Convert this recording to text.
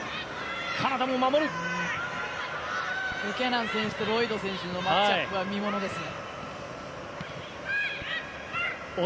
ブキャナン選手とロイド選手のマッチアップは見ものですね。